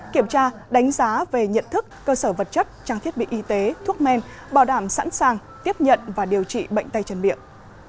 kiểm tra đánh giá về nhận thức cơ sở vật chất trang thiết bị y tế thuốc men bảo đảm sẵn sàng tiếp nhận và điều trị bệnh tay chân miệng